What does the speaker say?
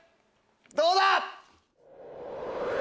どうだ？